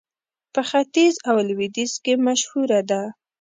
په ختيځ او لوېديځ کې مشهوره ده.